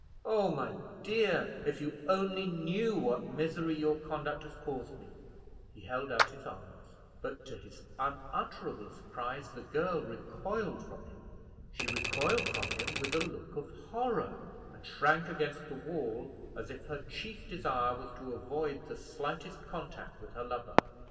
Oh, my dear, if you only knew what misery your conduct has caused me!" He held out his arms, but, to his unutterable surprise, the girl recoiled from him. She recoiled from him with a look of horror, and shrank against the wall, as if her chief desire was to avoid the slightest contact with her lover.